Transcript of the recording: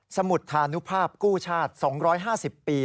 มุดธานุภาพกู้ชาติ๒๕๐ปี